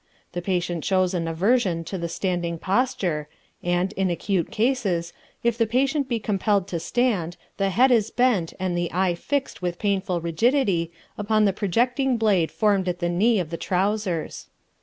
The patient shows an aversion to the standing posture, and, in acute cases, if the patient be compelled to stand, the head is bent and the eye fixed with painful rigidity upon the projecting blade formed at the knee of the trousers.